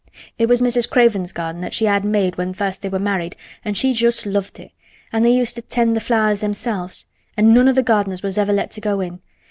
It was Mrs. Craven's garden that she had made when first they were married an' she just loved it, an' they used to 'tend the flowers themselves. An' none o' th' gardeners was ever let to go in.